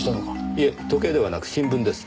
いえ時計ではなく新聞です。